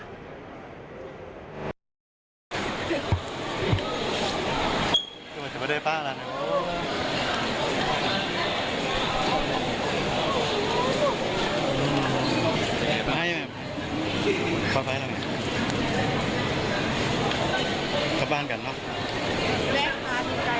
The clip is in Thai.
กลับบ้านกันเนอะ